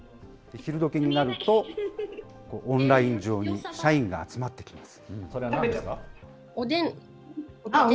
昼どきになると、オンライン上に社員が集まってきます。